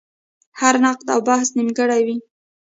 هر نقد او بحث نیمګړی وي.